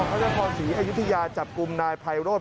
พระนครศรีอยุธยาจับกลุ่มนายไพโรธ